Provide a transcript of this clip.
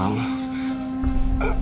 aku mau ke rumah